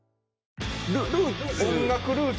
音楽ルーツの話。